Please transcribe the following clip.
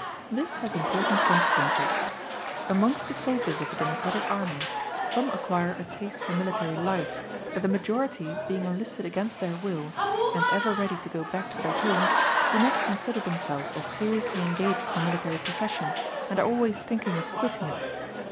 This has important consequences. Amongst the soldiers of a democratic army, some acquire a taste for military life, but the majority, being enlisted against their will, and ever ready to go back to their homes, do not consider themselves as seriously engaged in the military profession, and are always thinking of quitting it.